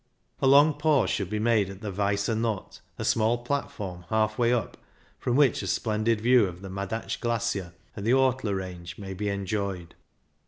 A long pause should be made at the Weisse Knott, a small platform half way up, from which a splendid view of the Madatsch Glacier and the Ortler Range may be enjoyed.